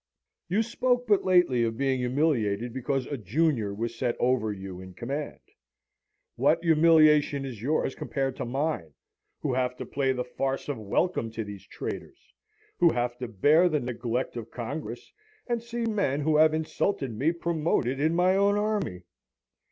You spoke but lately of being humiliated because a junior was set over you in command. What humiliation is yours compared to mine, who have to play the farce of welcome to these traitors; who have to bear the neglect of Congress, and see men who have insulted me promoted in my own army?